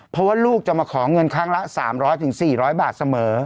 เพราะว่าลูกจะมาขอเงินครั้งละสามร้อยถึงสี่ร้อยบาทเสมอ